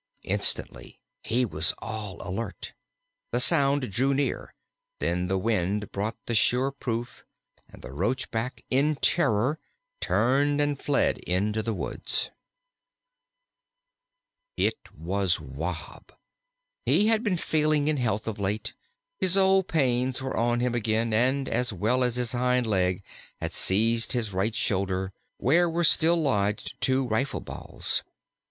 Instantly he was all alert. The sound drew near, then the wind brought the sure proof, and the Roachback, in terror, turned and fled into the woods. [Illustration: "THE ROACHBACK FLED INTO THE WOODS."] It was Wahb. He had been failing in health of late; his old pains were on him again, and, as well as his hind leg, had seized his right shoulder, where were still lodged two rifle balls.